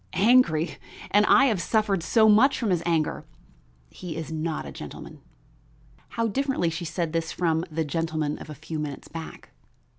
Angry? and I have suffered so much from his anger! He is not a gentle man." How differently she said this from the gentleman of a few minutes back!